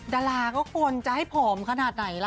ดาราก็ควรจะให้ผอมขนาดไหนล่ะ